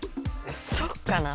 そっかな。